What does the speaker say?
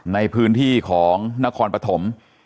ในพื้นที่ของนครปฐม